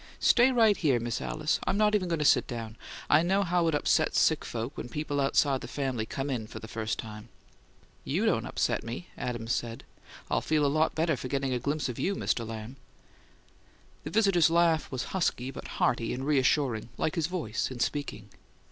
"Stay right here, Miss Alice; I'm not even going to sit down. I know how it upsets sick folks when people outside the family come in for the first time." "You don't upset me," Adams said. "I'll feel a lot better for getting a glimpse of you, Mr. Lamb." The visitor's laugh was husky, but hearty and re assuring, like his voice in speaking.